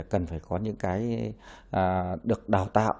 cần phải có những cái được đào tạo